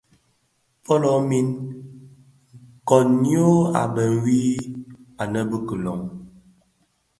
Fölö min, koň йyô a bë ňwi anë bi kilon.